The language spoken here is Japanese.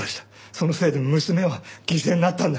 そのせいで娘は犠牲になったんだ。